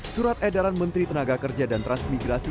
surat edaran menteri tenaga kerja dan transmigrasi